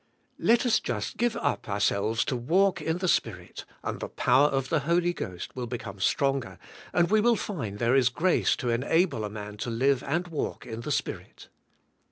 Let us just give up ourselves to walk in the Spirit and the power of the Holy Ghost will become stronger and we will find there is grace to enable a man to live and w^alk in the Spirit.